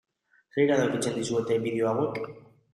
Zer iradokitzen dizuete bideo hauek?